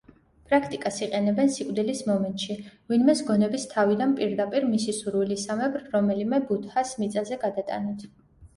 პრაქტიკას იყენებენ სიკვდილის მომენტში, ვინმეს გონების თავიდან პირდაპირ, მისი სურვილისამებრ, რომელიმე „ბუდდჰას მიწაზე“ გადატანით.